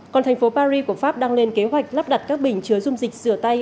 còn thành phố paris của pháp đang lên kế hoạch lắp đặt các bình chứa dung dịch rửa tay